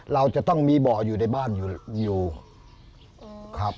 เราจะต้องมีบ่ออยู่ในบ้านอยู่ครับ